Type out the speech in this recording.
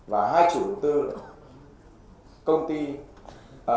và chủ đầu tư ban đầu tư xây dựng các công trình giao thông